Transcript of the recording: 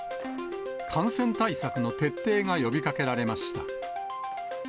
感染対策の徹底が呼びかけられました。